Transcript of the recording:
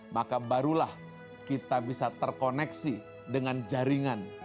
maka barulah kita bisa terkoneksi dengan jaringan